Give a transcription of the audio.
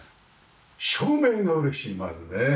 照明が嬉しいまずね。